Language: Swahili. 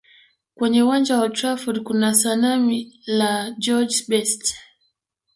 Kwenye uwanja wa old trafford kuna sanamu la george best